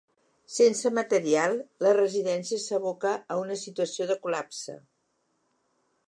Sense material, la residència s’aboca a una situació de col·lapse.